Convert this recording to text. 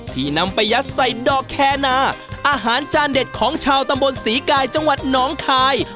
นำไปยัดใส่ดอกแคนาอาหารจานเด็ดของชาวตำบลศรีกายจังหวัดหนองคาย